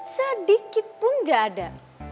sedikitpun gak ada